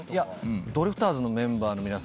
ドリフターズのメンバーの皆さん